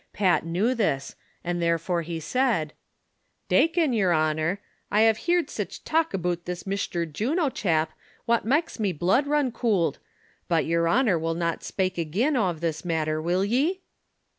Pat knew this, and therefore he said : "Dacon, yer honor, I have heerd sich talk aboot this Mishter Juno chap what maks me blood run coold ; but, yer honor will not spake agen ov this mattar, will je